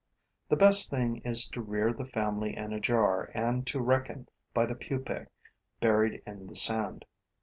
The best thing is to rear the family in a jar and to reckon by the pupae buried in the sand.